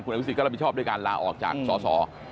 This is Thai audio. คุณอาวุศิก็รับมิชอบด้วยการลาออกจากสอ